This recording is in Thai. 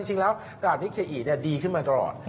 จริงแล้วตลาดนิเคอีดีขึ้นมาตลอด